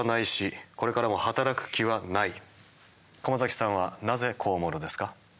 駒崎さんはなぜこう思うのですか？